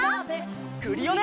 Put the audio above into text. クリオネ！